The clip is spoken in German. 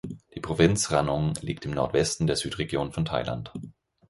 Die Provinz Ranong liegt im Nordwesten der Südregion von Thailand.